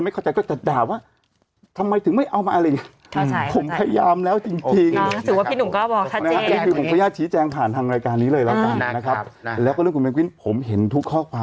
ไปซ้ำเติมความรู้สึกของเขา